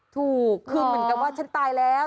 ถูกคือเหมือนกับว่าฉันตายแล้ว